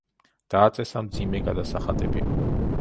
დააწესა მძიმე გადასახადები.